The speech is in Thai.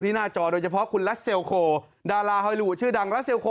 หน้าจอโดยเฉพาะคุณลัสเซลโคดาราฮอยลูชื่อดังรัสเลโค